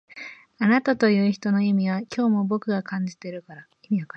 あなたという人の意味は今日も僕が感じてるから